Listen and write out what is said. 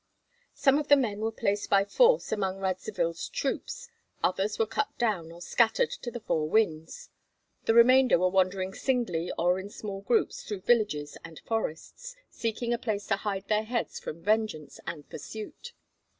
Some of the men were placed by force among Radzivill's troops; others were cut down or scattered to the four winds; the remainder were wandering singly or in small groups through villages and forests, seeking a place to hide their heads from vengeance and pursuit.